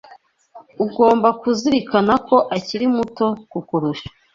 Ugomba kuzirikana ko akiri muto kukurusha.